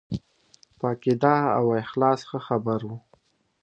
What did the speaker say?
په عقیده او اخلاص ښه خبر وو.